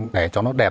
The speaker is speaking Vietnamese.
để cho nó đẹp đẹp đẹp